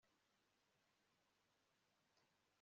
uru ruganda rukora imodoka ku gipimo cya magana abiri kumunsi